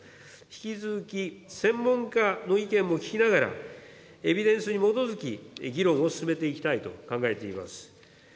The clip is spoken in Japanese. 引き続き、専門家の意見も聞きながら、エビデンスに基づき、議論を進めていきたいと考えています。